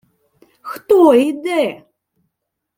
— Хто йде?